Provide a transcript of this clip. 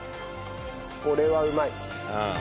これはうまい。